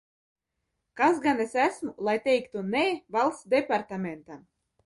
"Kas gan es esmu, lai teiktu "nē" Valsts departamentam?"